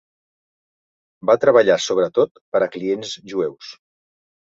Va treballar sobretot per a clients jueus.